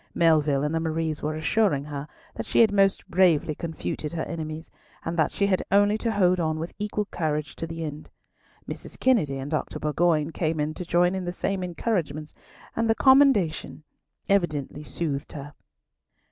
Melville and the Maries were assuring her that she had most bravely confuted her enemies, and that she had only to hold on with equal courage to the end. Mrs. Kennedy and Dr. Bourgoin came in to join in the same encouragements, and the commendation evidently soothed her.